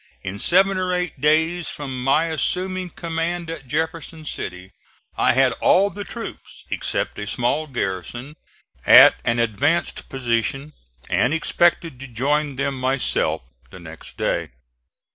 In seven or eight days from my assuming command at Jefferson City, I had all the troops, except a small garrison, at an advanced position and expected to join them myself the next day.